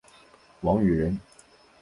王羽人。